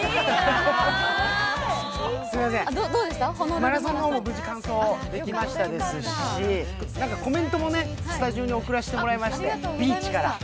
マラソンの方も無事完走できましたですし、コメントもスタジオに送らせてもらいまして、ビーチから。